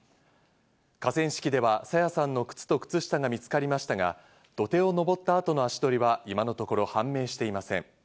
河川敷では朝芽さんの靴と靴下が見つかりましたが、土手を上った後の足取りは今のところ判明していません。